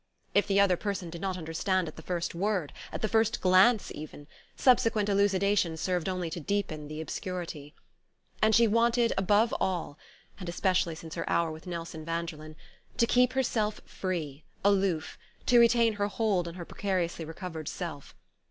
If the other person did not understand at the first word, at the first glance even, subsequent elucidations served only to deepen the obscurity. And she wanted above all and especially since her hour with Nelson Vanderlyn to keep herself free, aloof, to retain her hold on her precariously recovered self.